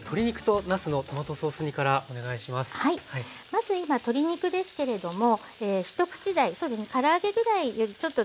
まず今鶏肉ですけれども一口大そうですねから揚げぐらいよりちょっと小さめでもいいです。